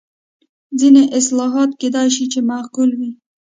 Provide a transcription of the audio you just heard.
ځینې اصلاحات کېدای شي چې معقول وي.